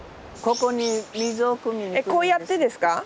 こうやってですか？